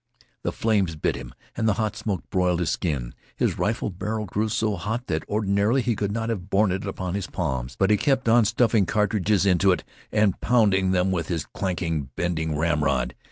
The flames bit him, and the hot smoke broiled his skin. His rifle barrel grew so hot that ordinarily he could not have borne it upon his palms; but he kept on stuffing cartridges into it, and pounding them with his clanking, bending ramrod.